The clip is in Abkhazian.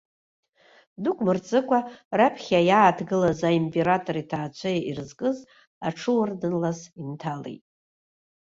Дук мырҵыкәа раԥхьа иааҭгылаз, аимператор иҭаацәа ирызкыз, аҽуардын-лас инҭалеит.